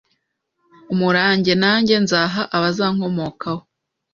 umurange nanjye nzaha abazankomokaho